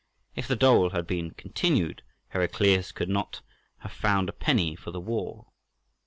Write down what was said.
If the dole had been continued Heraclius could not have found a penny for the war.